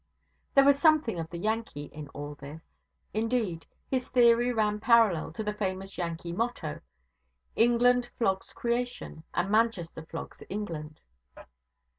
There was something of the Yankee in all this. Indeed, his theory ran parallel to the famous Yankee motto 'England flogs creation, and Manchester flogs England.'